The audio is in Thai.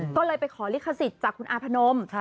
ก็เลยไปขอลิขสิทธิ์จากคุณอาพนม